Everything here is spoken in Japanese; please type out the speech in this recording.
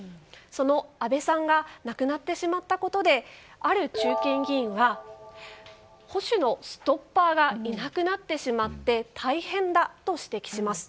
その安倍さんが亡くなってしまったことである中堅議員は保守のストッパーがいなくなってしまって大変だと指摘します。